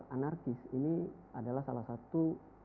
anarkis ini adalah salah satu